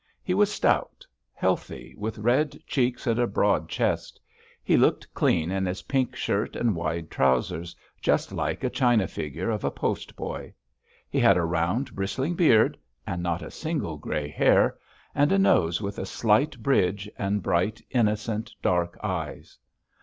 He was stout, healthy, with red cheeks and a broad chest; he looked clean in his pink shirt and wide trousers, just like a china figure of a post boy. He had a round, bristling beard and not a single grey hair and a nose with a slight bridge, and bright, innocent, dark eyes.